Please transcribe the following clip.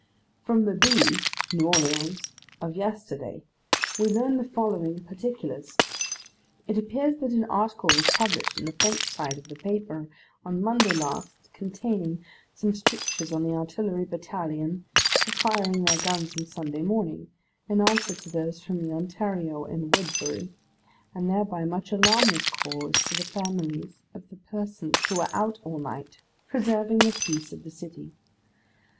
From the Bee (New Orleans) of yesterday, we learn the following particulars. It appears that an article was published in the French side of the paper on Monday last, containing some strictures on the Artillery Battalion for firing their guns on Sunday morning, in answer to those from the Ontario and Woodbury, and thereby much alarm was caused to the families of those persons who were out all night preserving the peace of the city.